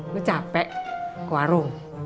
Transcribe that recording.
lo capek ke warung